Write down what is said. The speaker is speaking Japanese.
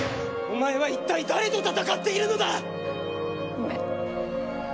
お前は一体誰と戦っているのだ⁉ごめん。